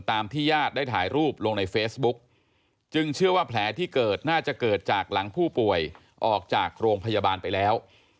ที่ญาติได้ถ่ายรูปลงในเฟซบุ๊กจึงเชื่อว่าแผลที่เกิดน่าจะเกิดจากหลังผู้ป่วยออกจากโรงพยาบาลไปแล้ว